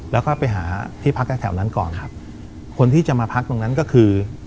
แล้วก็ไปหาที่พักแถวแถวนั้นก่อนครับคนที่จะมาพักตรงนั้นก็คือ